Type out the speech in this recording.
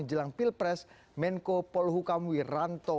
jelang pilpres menko polhukamwiranto